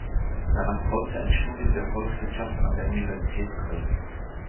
Danach folgte ein Studium der Volkswirtschaft an der Universität Köln.